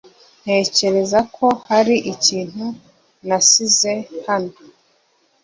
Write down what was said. Ntekereza ko hari ikintu nasize hano .